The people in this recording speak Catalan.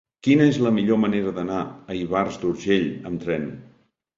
Quina és la millor manera d'anar a Ivars d'Urgell amb tren?